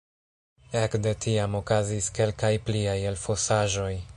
Ekde tiam okazis kelkaj pliaj elfosaĵoj.